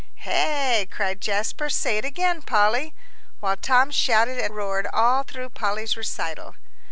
"Hey?" cried Jasper. "Say it again, Polly," while Tom shouted and roared all through Polly's recital.